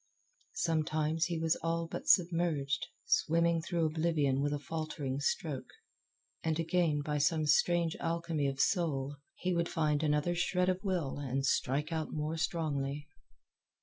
Sometimes he was all but submerged, swimming through oblivion with a faltering stroke; and again, by some strange alchemy of soul, he would find another shred of will and strike out more strongly.